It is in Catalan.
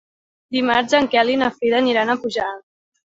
Dimarts en Quel i na Frida aniran a Pujalt.